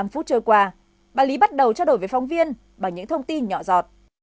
một mươi phút trôi qua bà lý bắt đầu trao đổi với phóng viên bằng những thông tin nhỏ giọt